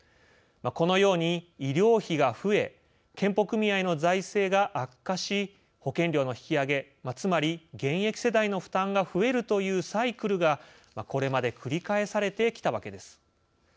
このように、医療費が増え健保組合の財政が悪化し保険料の引き上げつまり現役世代の負担が増えるというサイクルが、これまで繰り返されてきたわけです。